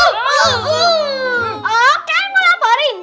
oh kalian mau laporin